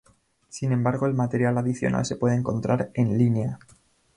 Sin embargo el material adicional se puede encontrar en línea.